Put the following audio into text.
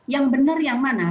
yang benar yang mana